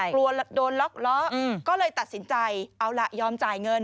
กลัวโดนล็อกล้อก็เลยตัดสินใจเอาล่ะยอมจ่ายเงิน